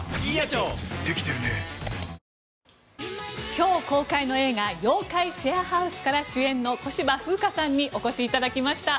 今日公開の映画「妖怪シェアハウス」から主演の小芝風花さんにお越しいただきました。